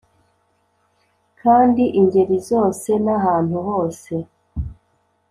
kandi ingeri zose nahantu hose